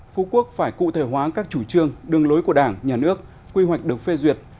phú quốc phải cụ thể hóa các chủ trương đường lối của đảng nhà nước quy hoạch được phê duyệt